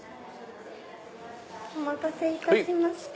お待たせいたしました。